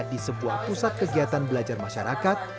di sebuah pusat kegiatan belajar masyarakat